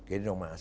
jadi dong mas